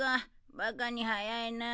バカに早いなぁ。